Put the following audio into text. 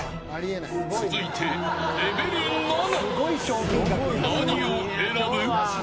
続いてレベル７、何を選ぶ。